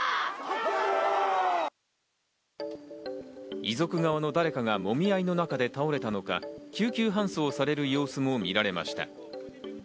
遺族側の誰かがもみ合いの中で倒れたのか、救急搬送される様子も見られました。